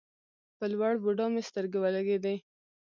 په لوړ بودا مې سترګې ولګېدې.